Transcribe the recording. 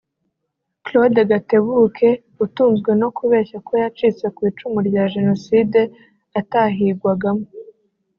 Claude Gatebuke (utunzwe no kubeshya ko yacitse ku icumu rya Jenoside atahigwagamo)